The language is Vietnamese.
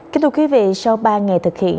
kính thưa quý vị sau ba ngày thực hiện